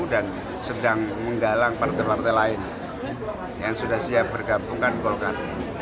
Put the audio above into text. dan sedang menggalang partai partai lain yang sudah siap bergabungkan golkar